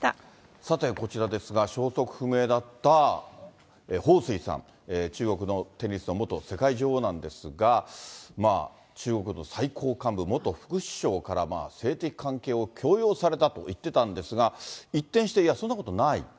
さてこちらですが、消息不明だった彭帥さん、中国のテニスの元世界女王なんですが、中国の最高幹部、元副首相から性的関係を強要されたと言ってたんですが、一転していや、そんなことない。